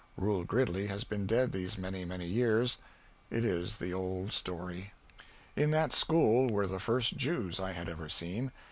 Reuel Gridley has been dead these many, many years it is the old story. In that school were the first Jews I had ever seen.